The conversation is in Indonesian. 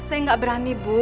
saya gak berani bu